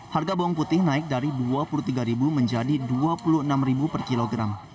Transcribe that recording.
harga bawang putih naik dari rp dua puluh tiga menjadi rp dua puluh enam per kilogram